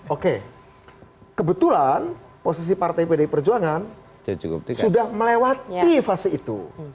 oke kebetulan posisi partai pdi perjuangan sudah melewati fase itu